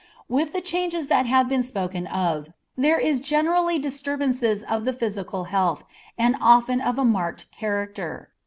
With the changes that have been spoken of, there is generally disturbances of the physical health, and often of a marked character.